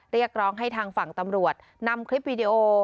เรียกร้องให้ทางฝั่งตำรวจนำคลิปวีดีโอ